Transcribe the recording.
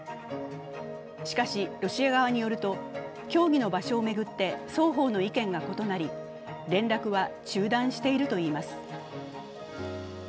しかしロシア側によると協議の場所を巡って双方の意見が異なり連絡は中断しているといいます。